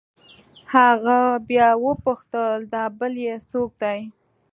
هغه بيا وپوښتل دا بل يې سوک دې.